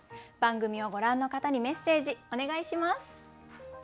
番組をご覧の方にメッセージお願いします。